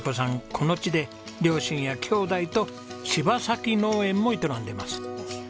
この地で両親やきょうだいと柴崎農園も営んでます。